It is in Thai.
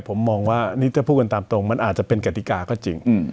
ผมมองว่านี่ถ้าพูดกันตามตรงมันอาจจะเป็นกติกาก็จริง